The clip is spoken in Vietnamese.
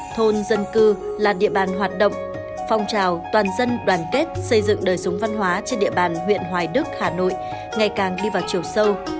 thôn dân cư là địa bàn hoạt động phong trào toàn dân đoàn kết xây dựng đời sống văn hóa trên địa bàn huyện hoài đức hà nội ngày càng đi vào chiều sâu